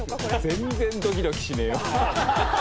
全然ドキドキしねえよ。